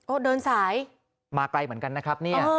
ก็เดินสายมาไกลเหมือนกันนะครับเนี่ย